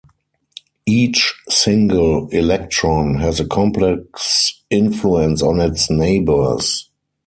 Each single electron has a complex influence on its neighbors.